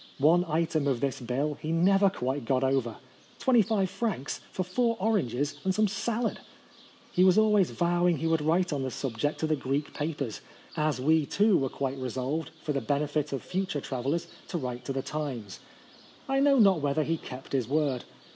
One item of this bill he never quite got over — 25 francs for four oranges and some salad ! He was always vowing he would write on the subject to the Greek papers — as we, too, were quite resolved, for the benefit of future travellers, to write to the ' Times.' I know not whether he kept his word.